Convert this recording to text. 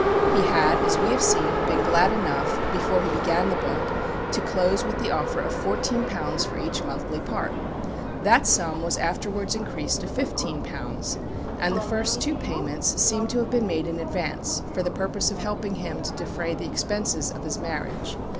He had, as we have seen, been glad enough, before he began the book, to close with the offer of £14 for each monthly part. That sum was afterwards increased to £15, and the two first payments seem to have been made in advance for the purpose of helping him to defray the expenses of his marriage.